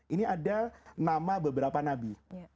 ini ada nama beberapa nabi